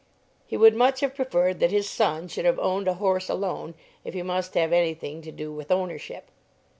He would much have preferred that his son should have owned a horse alone, if he must have anything to do with ownership.